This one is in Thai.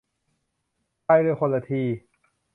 พายเรือคนละที